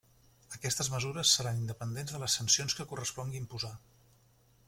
Aquestes mesures seran independents de les sancions que correspongui imposar.